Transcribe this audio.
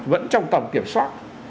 vẫn trong tổng kiểm soát